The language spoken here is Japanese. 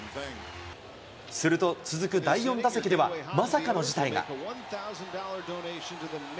すると、続く第４打席ではまさかの事態が。